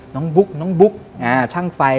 บุ๊กน้องบุ๊กช่างไฟ